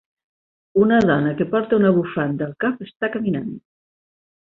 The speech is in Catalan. Una dona que porta una bufanda al cap està caminant.